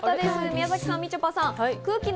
宮崎さん、みちょぱさん。